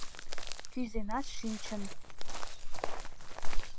Кӱзенат шинчын.